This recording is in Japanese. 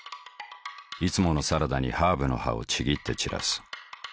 いつものサラダにハーブの葉をちぎって散らす。